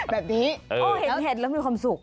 แบบนี้โอ้เห็นแล้วมีความสุข